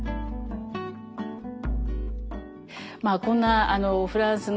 まあこんなフランスの。